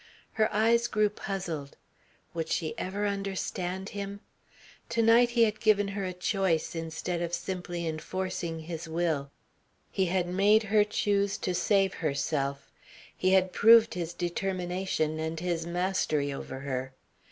Her eyes grew puzzled. Would she ever understand him? To night he had given her a choice instead of simply enforcing his will, he had made her choose to save herself, he had proved his determination and his mastery over her.